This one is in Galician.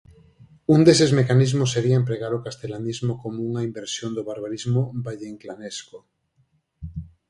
Un deses mecanismos sería empregar o castelanismo como unha inversión do barbarismo valleinclanesco.